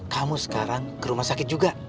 kamu sekarang ke rumah sakit juga